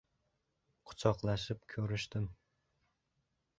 Quchoqlashib ko‘rishdim.